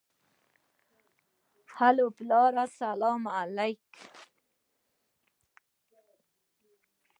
الو پلاره سلام عليک.